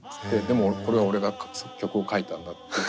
でもこれは俺が曲を書いたんだって。